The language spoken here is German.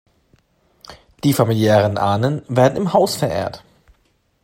Die familiären Ahnen werden im Haus verehrt.